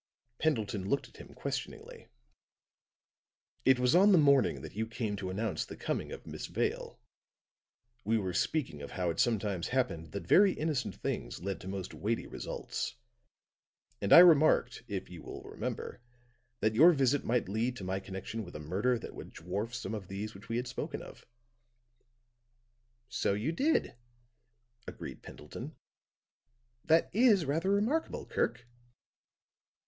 Pendleton looked at him questioningly. "It was on the morning that you called to announce the coming of Miss Vale. We were speaking of how it sometimes happened that very innocent things led to most weighty results; and I remarked, if you will remember, that your visit might lead to my connection with a murder that would dwarf some of those which we had spoken of." "So you did," agreed Pendleton. "That is rather remarkable, Kirk."